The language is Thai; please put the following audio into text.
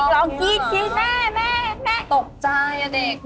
ล้องกลีทร์แม่ตกใจอ่ะเด็ก